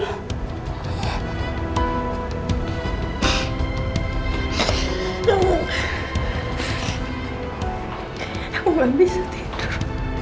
aku gak bisa tidur